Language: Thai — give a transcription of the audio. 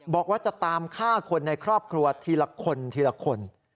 บอกว่าจะตามฆ่าคนในครอบครัวทีละคนทีละคน